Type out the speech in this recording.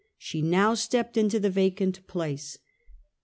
She now stepped into the vacant place.